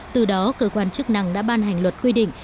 từ đó cơ quan chức năng đã ban hành luật quy định